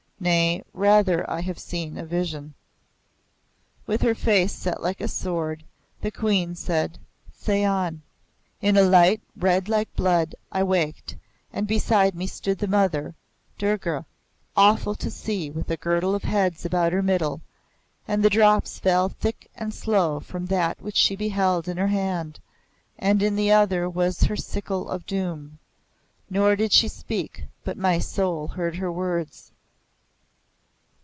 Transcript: Nay, rather have I seen a vision." With her face set like a sword, the Queen said, "Say on." "In a light red like blood, I waked, and beside me stood the Mother, Durga, awful to see, with a girdle of heads about her middle; and the drops fell thick and slow from That which she held in her hand, and in the other was her sickle of Doom. Nor did she speak, but my soul heard her words."